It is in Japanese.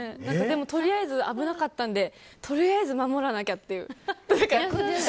とりあえず危なかったのでとりあえず守らなきゃっていう。